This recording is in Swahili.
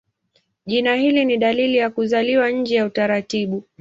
Jina hili ni dalili ya kuzaliwa nje ya utaratibu.